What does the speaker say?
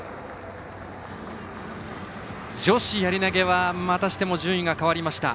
女子やり投げはまたしても順位が変わりました。